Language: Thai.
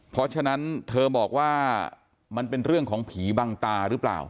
เพราะฉะนั้นเธอบอกว่ามันเป็นเรื่องของผีบังตาหรือเปล่า